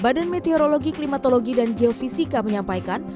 badan meteorologi klimatologi dan geofisika menyampaikan